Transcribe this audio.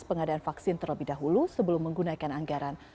pengadaan vaksin terlebih dahulu sebelum menggunakan anggaran